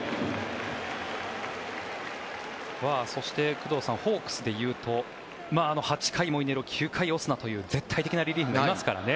そして、工藤さんホークスでいうと８回、モイネロ９回、オスナという絶対的リリーフがいますからね。